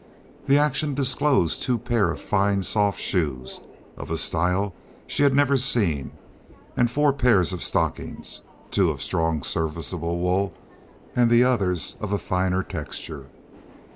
The action disclosed two pairs of fine, soft shoes, of a style she had never seen, and four pairs of stockings, two of strong, serviceable wool, and the others of a finer texture.